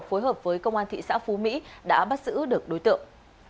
phối hợp với công an thị xã phú mỹ đã bắt giữ được đối tượng